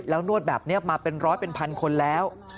แล้วนวดแบบนี้มาเป็นร้อยเป็นพันคนแล้ว